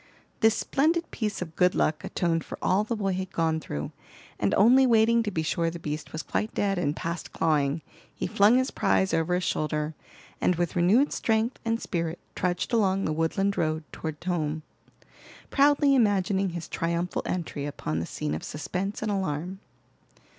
This splendid piece of good luck atoned for all the boy had gone through, and only waiting to be sure the beast was quite dead and past clawing, he flung his prize over his shoulder, and with renewed strength and spirit trudged along the woodland road toward home, proudly imagining his triumphal entry upon the scene of suspense and alarm.